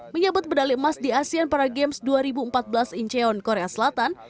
menyebut medali emas di asean para games dua ribu empat belas incheon korea selatan